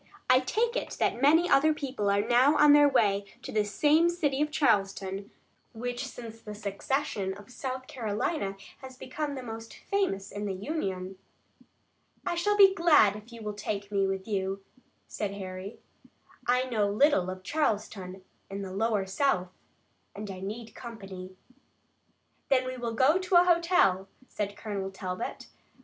"I take it that many other people are now on their way to this same city of Charleston, which since the secession of South Carolina has become the most famous in the Union." "I shall be glad if you will take me with you," said Harry. "I know little of Charleston and the lower South, and I need company." "Then we will go to a hotel," said Colonel Talbot.